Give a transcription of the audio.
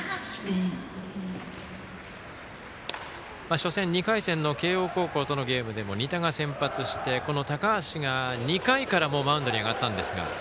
初戦、２回戦の慶応高校とのゲームでも仁田が先発してこの高橋が２回からマウンドに上がったんですが。